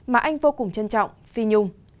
mà anh vô cùng trân trọng phi nhung